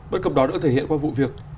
bất cầm đó được thể hiện qua vụ việc